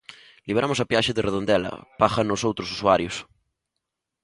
Liberamos a peaxe de Redondela, págano os outros usuarios.